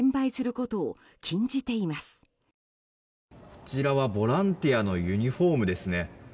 こちらはボランティアのユニホームですね。